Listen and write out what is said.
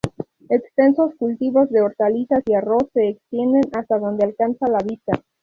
Extensos cultivos de hortalizas y arroz se extienden hasta donde alcanza la vista.